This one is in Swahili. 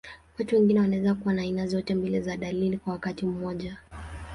Watu wengine wanaweza kuwa na aina zote mbili za dalili kwa wakati mmoja.